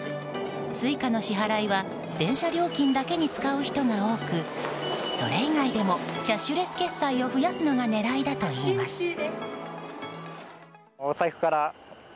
Ｓｕｉｃａの支払いは電車料金だけに使う人が多くそれ以外でもキャッシュレス決済を増やすのが狙いだといいます。